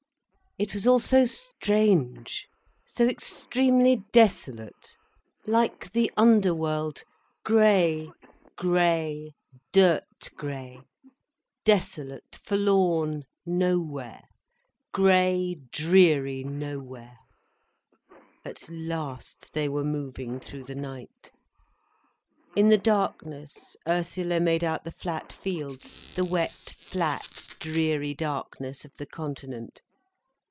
It was all so strange, so extremely desolate, like the underworld, grey, grey, dirt grey, desolate, forlorn, nowhere—grey, dreary nowhere. At last they were moving through the night. In the darkness Ursula made out the flat fields, the wet flat dreary darkness of the Continent.